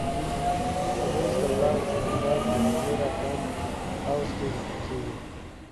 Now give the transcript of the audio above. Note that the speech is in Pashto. فلز د ولانس نمبر په رومي رقم په قوس کې لیکل کیږي.